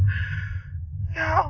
ya allah ren